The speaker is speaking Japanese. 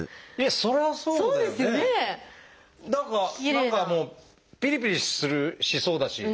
何かもうピリピリしそうだし。